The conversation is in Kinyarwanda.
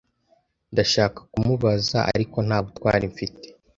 Ndashaka kumubaza, ariko nta butwari mfite.